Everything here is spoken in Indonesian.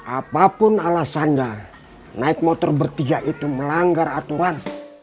apapun alasannya naik motor bertiga itu melanggar aturan